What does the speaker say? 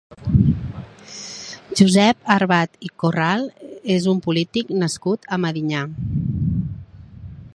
Josep Arbat i Corral és un polític nascut a Medinyà.